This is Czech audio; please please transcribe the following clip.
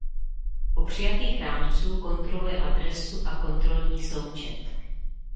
U přijatých rámců kontroluje adresu a kontrolní součet.